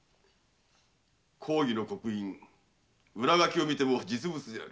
公儀の刻印裏書きを見ても実物である。